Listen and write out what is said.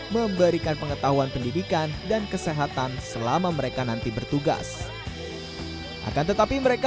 memberikan pengetahuan pendidikan dan kesehatan selama mereka nanti bertugas akan tetapi mereka